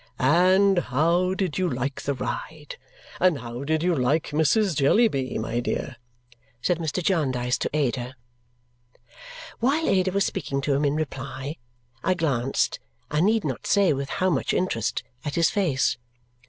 "And how did you like the ride? And how did you like Mrs. Jellyby, my dear?" said Mr. Jarndyce to Ada. While Ada was speaking to him in reply, I glanced (I need not say with how much interest) at his face.